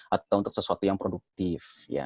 atau untuk sesuatu yang produktif